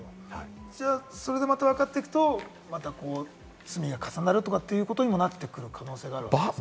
それでまた分かっていくと、また罪が重なるとかということにもなってくる可能性があるわけですか？